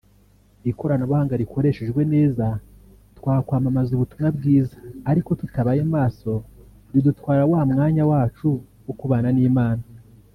Ikoranabuhanga rikoreshejwe neza twakwamamaza ubutumwa bwiza ariko tutabaye maso ridutwara wa mwanya wacu wo kubana n’Imana